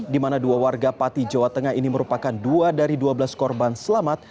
di mana dua warga pati jawa tengah ini merupakan dua dari dua belas korban selamat